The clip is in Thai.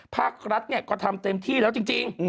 พาข์รัฐเนี่ยก็ทำเต็มที่แล้วจริง